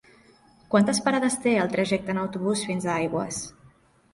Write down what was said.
Quantes parades té el trajecte en autobús fins a Aigües?